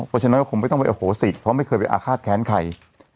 เพราะฉะนั้นก็คงไม่ต้องไปอโหสิเพราะไม่เคยไปอาฆาตแค้นใคร